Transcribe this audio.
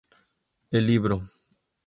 El libro.